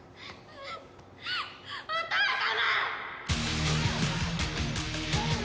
お父様！！